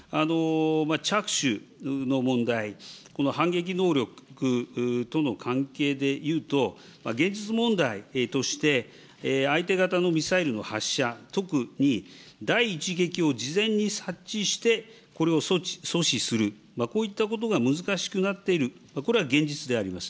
着手の問題、この反撃能力との関係で言うと、現実問題として、相手方のミサイルの発射、特に第１撃を事前に察知して、これを阻止する、こういったことが難しくなっている、これは現実であります。